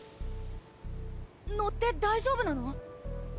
乗って大丈夫なの？